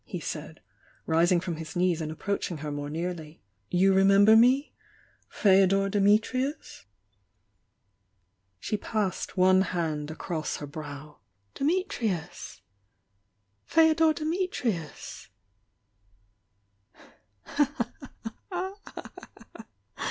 he said, rising from his knees and approaching her more nearly. You remember me?— Feodor Dimitrius? She passed one hand across her brow. THE YOUNG DIANA 805 "Dimitrius? — Feodor Dimitrius?"